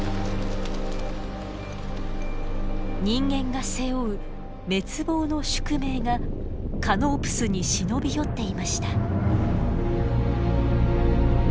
人間が背負う滅亡の宿命がカノープスに忍び寄っていました。